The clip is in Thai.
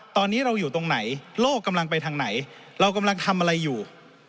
ตอนนี้เราอยู่ตรงไหนโลกกำลังไปทางไหนเรากำลังทำอะไรอยู่